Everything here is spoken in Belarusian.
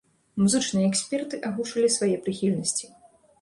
Музычныя эксперты агучылі свае прыхільнасці.